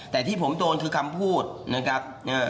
แต่ที่ผมโดนคือคำพูดนะครับ